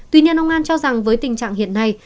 tuy nhiên ông an cho rằng với tình trạng hiện nay